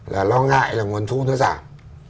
là lo ngại là nguồn thu nó giảm